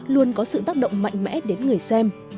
luôn có sự tác động mạnh mẽ đến người xem